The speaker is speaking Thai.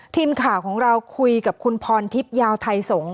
ทีมข่าวของเราคุยกับคุณพรทิพย์ยาวไทยสงศ